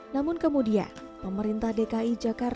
namun kemudian pemerintah dki jawa barat mencari penarik becak